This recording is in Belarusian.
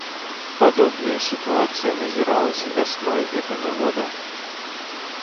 Падобная сітуацыя назіралася вясной гэтага года.